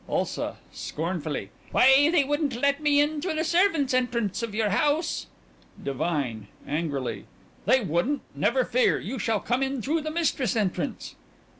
ULSA: (Scornfully) Why, they wouldn't let me in through the servants' entrance of your house. DIVINE: (Angrily) They wouldn't! Never fear you shall come in through the mistress' entrance.